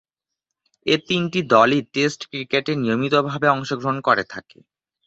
এ তিনটি দলই টেস্ট ক্রিকেটে নিয়মিতভাবে অংশগ্রহণ করে থাকে।